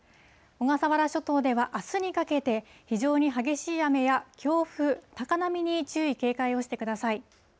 小笠原諸島では、あすにかけて非常に激しい雨や強風、高波に注意、警戒をしてください。